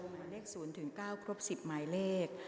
หมายเลข๐๙ครบ๑๐หมายเลข